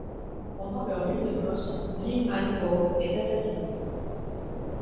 Pendant leur nuit de noces, Li Man Ho est assassiné.